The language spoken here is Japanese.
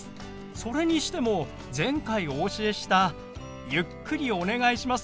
それにしても前回お教えした「ゆっくりお願いします」